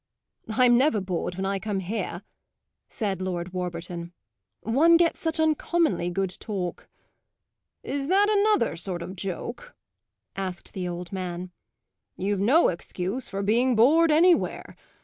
"I'm never bored when I come here," said Lord Warburton. "One gets such uncommonly good talk." "Is that another sort of joke?" asked the old man. "You've no excuse for being bored anywhere.